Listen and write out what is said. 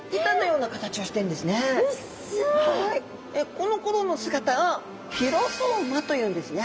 このころの姿をフィロソーマというんですね。